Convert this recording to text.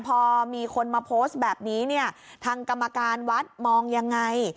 พอมีคนมาโพสต์แบบนี้เนี่ยทางกรรมการวัดมองยังไง